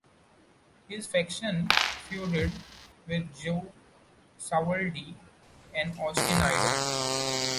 His faction feuded with Joe Savoldi and Austin Idol.